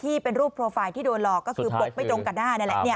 ที่เป็นรูปโปรไฟล์ที่โดนหลอกก็คือปกไม่ตรงกับหน้านี่แหละ